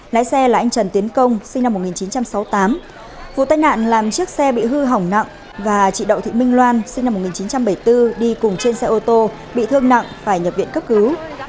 lái xe là anh trần tiến công sinh năm một nghìn chín trăm sáu mươi tám vụ tai nạn làm chiếc xe bị hư hỏng nặng và chị đậu thị minh loan sinh năm một nghìn chín trăm bảy mươi bốn đi cùng trên xe ô tô bị thương nặng phải nhập viện cấp cứu